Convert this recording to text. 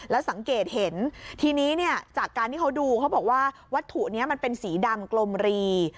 แล้วสังเกตเห็นทีนี้เนี่ยจากการที่เขาดูเขาบอกว่าวัตถุนี้มันเป็นสีดำกลมรี